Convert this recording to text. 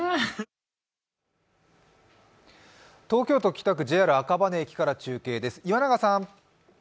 東京都北区、ＪＲ赤羽駅から中継です。